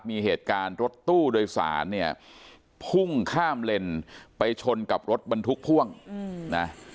มีเหตุการณ์รถตู้โดยสารเนี่ยพุ่งข้ามเลนไปชนกับรถบรรทุกพ่วงนะ